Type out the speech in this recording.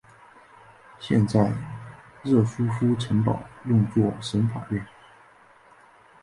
现在热舒夫城堡用作省法院。